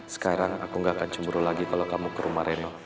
sekarang aku gak akan cemburu lagi kalau kamu ke rumah reno